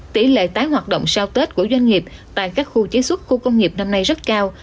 tỷ lệ tái hoạt động sau tết của doanh nghiệp tại các khu chế xuất khu công nghiệp năm nay rất cao